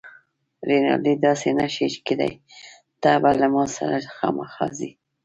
رینالډي: داسې نه شي کیدای، ته به له ما سره خامخا ځې.